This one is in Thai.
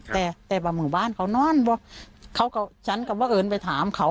แต่บ้านเขานั้นเขาก็ฉันก็ว่าเอิญไปถามเขา